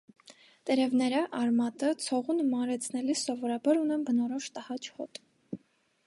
Տերևները, արմատը, ցողունը մանրացնելիս սովորաբար ունեն բնորոշ տհաճ հոտ։